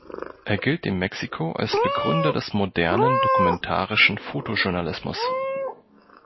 Er gilt in Mexiko als Begründer des modernen dokumentarischen Fotojournalismus.